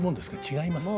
違います？